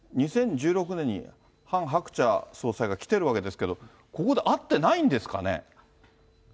２０１６年にハン・ハクチャ総裁が来てるわけですけど、ここで会ってないんですかね。